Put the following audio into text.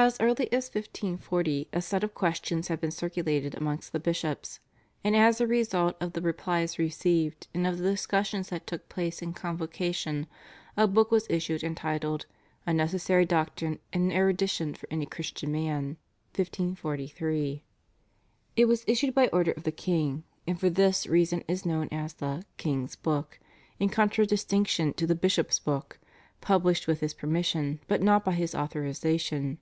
As early as 1540 a set of questions had been circulated amongst the bishops, and as a result of the replies received and of the discussions that took place in Convocation a book was issued, entitled /A Necessary Doctrine and an Erudition for any Christian Man/ (1543). It was issued by order of the king, and for this reason is known as the /King's Book/ in contradistinction to the /Bishop's Book/, published with his permission but not by his authorisation.